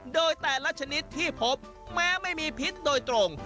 โดยแต่ละชนิดที่พบแม้ไม่มีพิษโดยตรง